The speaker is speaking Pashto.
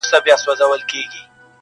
د پکتیکا زلزلې -